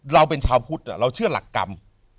เราเป็นชาวพุทธเราเชื่อหลักกรรม